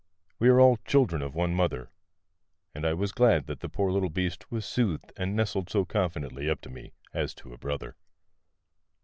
We are all children of one mother, and I was glad that the poor little beast was soothed and nestled so confidingly up to me, as to a brother.